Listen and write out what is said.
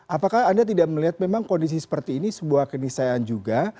apakah anda tidak melihat memang kondisi seperti ini sebuah kenisayaan juga